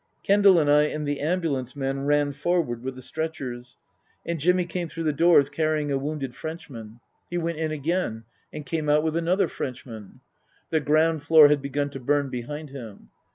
Kendal and I and the ambulance men ran forward with the stretchers. And Jimmy came through the doors Book III: His Book 323 carrying a wounded Frenchman. He went in again and came out with another Frenchman. (The ground floor had begun to burn behind him.)